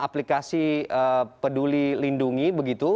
aplikasi peduli lindungi begitu